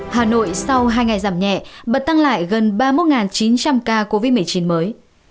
hà nội sau hai ngày giảm nhẹ bật tăng lại gần ba mươi một chín trăm linh ca covid một mươi chín mới